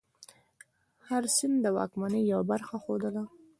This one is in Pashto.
هر سند د واکمنۍ یوه برخه ښودله.